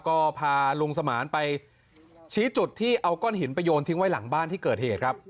ก็พาลุงสมานไปชี้จุดที่เอาก้อนหินไปโยนทิ้งไว้หลังบ้านที่เกิดเหตุครับ